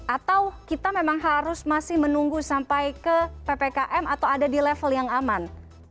atau kita memang harus masih menunggu sampai ke ppkm atau ada di level yang aman